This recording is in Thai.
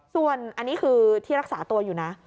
ส่วนอันนี้คือที่รักษาตัวอยู่นะ